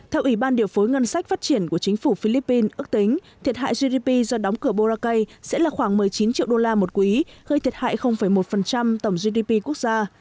theo ủy ban điều phối ngân sách phát triển của chính phủ philippines ước tính thiệt hại gdp do đóng cửa boracay sẽ là khoảng một mươi chín triệu đô la một quý gây thiệt hại một tổng gdp quốc gia